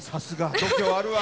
度胸あるわ。